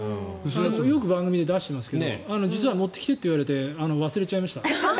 番組で出してますけど実は持ってきてと言われて忘れちゃいました。